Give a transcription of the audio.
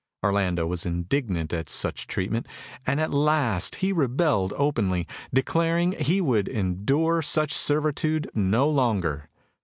Orlando was indignant at such treatment, and at last he rebelled openly, declaring he would endure such servitude no longer.